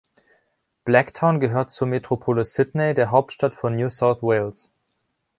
Blacktown gehört zur Metropole Sydney, der Hauptstadt von New South Wales.